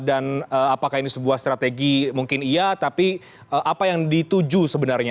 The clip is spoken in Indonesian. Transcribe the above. apakah ini sebuah strategi mungkin iya tapi apa yang dituju sebenarnya